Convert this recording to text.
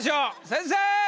先生！